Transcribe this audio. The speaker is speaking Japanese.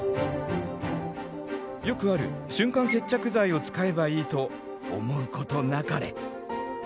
「よくある瞬間接着剤を使えばいい」と思うことなかれ。